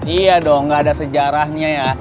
iya dong gak ada sejarahnya ya